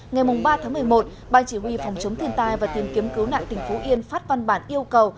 ngày ba một mươi một ban chỉ huy phòng chống thiên tai và tìm kiếm cứu nạn tỉnh phú yên phát văn bản yêu cầu